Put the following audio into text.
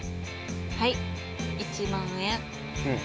はい１万円。